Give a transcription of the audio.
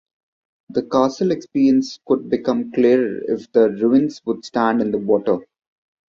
The castle experience could become clearer if the ruins would stand in the water.